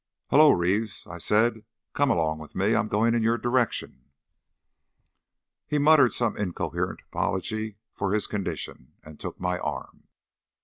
"Holloa, Reeves!" I said. "Come along with me. I'm going in your direction." He muttered some incoherent apology for his condition, and took my arm.